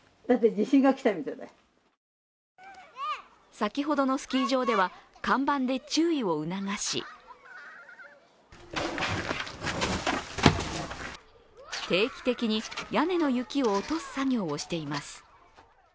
先ほどのスキー場では看板で注意を促し定期的に屋根の雪を落とす作業をしています。